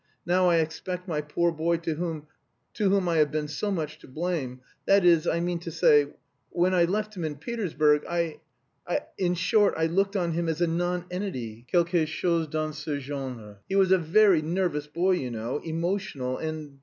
"Now I expect my poor boy to whom... to whom I have been so much to blame! That is, I mean to say, when I left him in Petersburg, I... in short, I looked on him as a nonentity, quelque chose dans ce genre. He was a very nervous boy, you know, emotional, and...